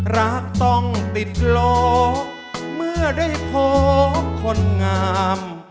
รักต้องติดลบเมื่อได้พบคนงาม